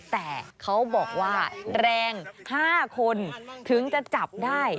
แต่เขาบอกว่าแรง๕คนถึงจะจับได้